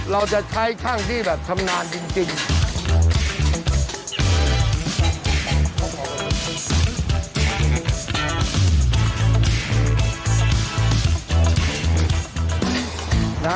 เราจะใช้ช่างที่แบบชำนาญจริง